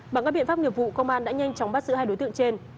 bằng các biện pháp nghiệp vụ công an đã nhanh chóng bắt giữ hai đối tượng trên